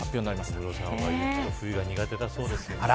小室さんは冬が苦手だそうです。